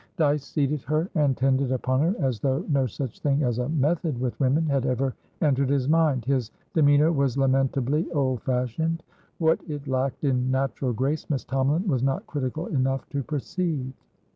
Dyce seated her, and tended upon her as though no such thing as a "method" with women had ever entered his mind. His demeanour was lamentably old fashioned. What it lacked in natural grace, Miss Tomalin was not critical enough to perceive.